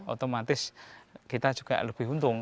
otomatis kita juga lebih untung